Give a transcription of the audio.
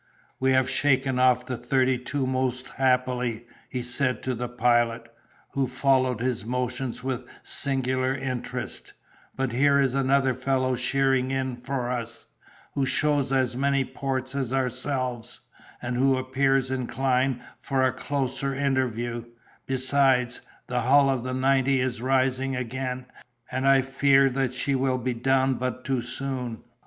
"We have shaken off the thirty two most happily!" he said to the Pilot, who followed his motions with singular interest; "but here is another fellow sheering in for us, who shows as many ports as ourselves, and who appears inclined for a closer interview; besides, the hull of the ninety is rising again, and I fear she will be down but too soon!"